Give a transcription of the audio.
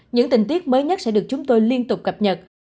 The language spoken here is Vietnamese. những tình tiết mới nhất sẽ được chúng tôi liên tục cập nhật